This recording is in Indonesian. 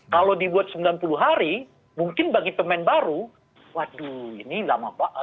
kalau dibuat sembilan puluh hari mungkin bagi pemain baru waduh ini lama pak